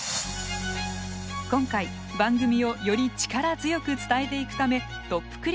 今回番組をより力強く伝えていくためトップ